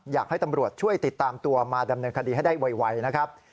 อยากให้ตำรวจช่วยติดตามตัวมาดำเนินคดีให้ได้ไวนะครับ